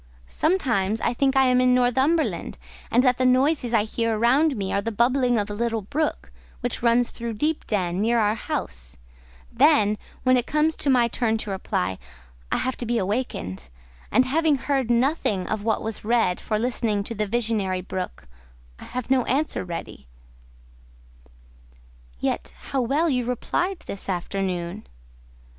Sometimes I think I am in Northumberland, and that the noises I hear round me are the bubbling of a little brook which runs through Deepden, near our house;—then, when it comes to my turn to reply, I have to be awakened; and having heard nothing of what was read for listening to the visionary brook, I have no answer ready." "Yet how well you replied this afternoon."